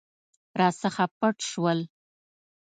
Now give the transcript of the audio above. راڅخه پټ شول.